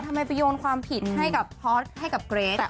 ทำไมไปโยนความผิดให้กับพอร์ตให้กับเกรท